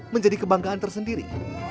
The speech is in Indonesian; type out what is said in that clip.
menjadi kebanggaan tersendiri